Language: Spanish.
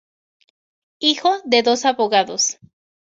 Hijo de dos abogados.